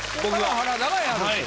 原田がやると。